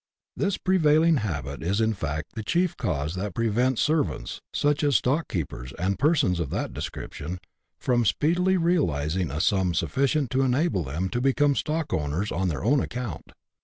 This prevailing habit is in fact the chief cause that prevents servants, such as stock keepers and persons of that description, from speedily realizing a sum sufficient to enable them to become stockowners on their own account.